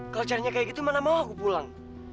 kalau carinya kayak gitu mana mau aku pulang